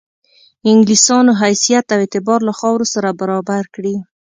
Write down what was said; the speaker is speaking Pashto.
انګلیسیانو حیثیت او اعتبار له خاورو سره برابر کړي.